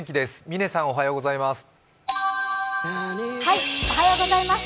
嶺さん、おはようございます。